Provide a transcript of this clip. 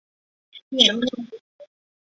池上秋收稻穗艺术节